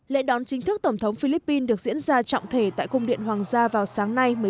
lễ đón chính thức tổng thống philippines được diễn ra trọng thể tại cung điện hoàng gia vào sáng nay